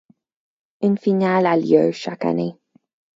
Une finale a lieu chaque année.